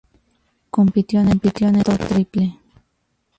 Compitió en el salto triple.